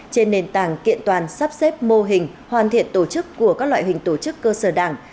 trên nền tảng kiện toàn sắp xếp mô hình hoàn thiện tổ chức của các loại hình tổ chức cơ sở đảng